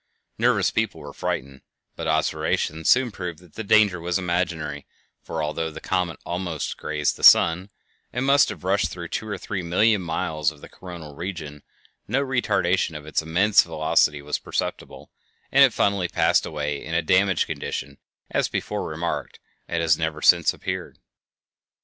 Nervous people were frightened, but observation soon proved that the danger was imaginary, for although the comet almost grazed the sun, and must have rushed through two or three million miles of the coronal region, no retardation of its immense velocity was perceptible, and it finally passed away in a damaged condition, as before remarked, and has never since appeared.